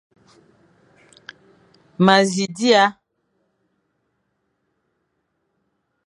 Ma zi dia.